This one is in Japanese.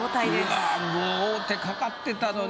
うわもう王手かかってたのに。